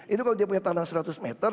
itu kalau dia punya tanah seratus meter